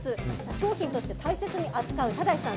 商品として大切に扱う正さん